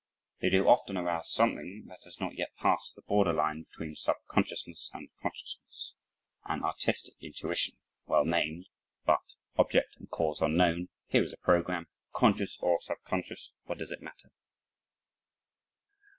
They do often arouse something that has not yet passed the border line between subconsciousness and consciousness an artistic intuition (well named, but) object and cause unknown! here is a program! conscious or subconscious what does it matter?